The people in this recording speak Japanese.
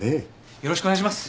よろしくお願いします。